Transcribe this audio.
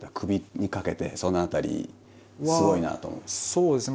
そうですね。